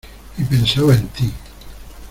y pensaba en ti.